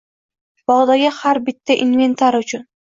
— «…Bog’dagi har bitta inventar` uchun